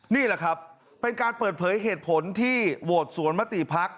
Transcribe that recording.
นี่แหละครับเป็นการเปิดเผยเหตุผลที่โหวตสวนมติภักดิ์